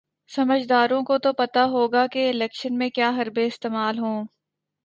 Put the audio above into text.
سمجھداروں کو تو پتا ہوگا کہ الیکشن میں کیا حربے استعمال ہوں۔